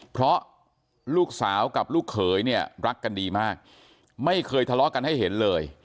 เพราะลูกสาวกับลูกเขยเนี่ยรักกันดีมากไม่เคยทะเลาะกันให้เห็นเลย